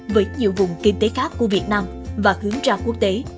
với nhiều vùng kinh tế khác của việt nam và hướng ra quốc tế